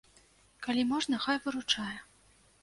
Калі можна, хай выручае.